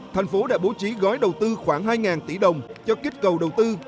tp đã bố trí gói đầu tư khoảng hai tỷ đồng cho kích cầu đầu tư